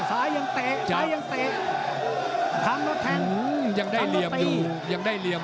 สายยังเตะสายยังเตะ